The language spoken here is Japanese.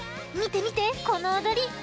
みてみてこのおどり！